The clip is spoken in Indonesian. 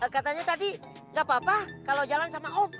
katanya tadi nggak apa apa kalau jalan sama om